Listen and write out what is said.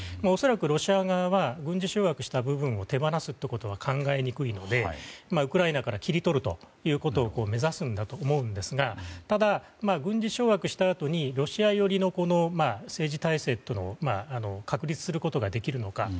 恐らくロシア側は軍事掌握した部分を手放すってことは考えにくいのでウクライナから切り取ることを目指すんだと思いますがただ、軍事掌握したあとにロシア寄りの政治体制というのを確立することができるのか。